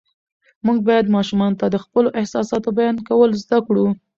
موږ باید ماشومانو ته د خپلو احساساتو بیان کول زده کړو